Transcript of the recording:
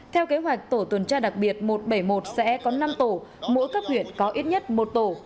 theo kế hoạch tổ tuần tra đặc biệt một trăm bảy mươi một sẽ có năm tổ mỗi cấp huyện có ít nhất một tổ